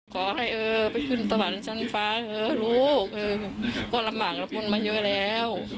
ขอให้เออไปขึ้นสวรรค์ชั้นฟ้าเถอะลูกเออก็ลำบากลำพ่นมาเยอะแล้ว